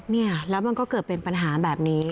เนี่ยแล้วมันก็เกิดเป็นปัญหาแบบนี้